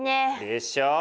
でしょう？